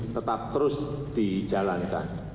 tetap terus dijalankan